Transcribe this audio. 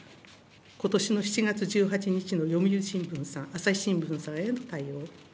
ことしの７月１８日の読売新聞さん、朝日新聞さんへの対応。